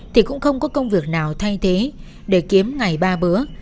thì cũng không có công việc nào thay thế để kiếm ngày ba bữa